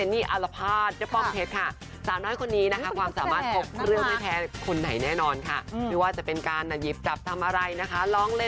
น้องอะไรน้องจริง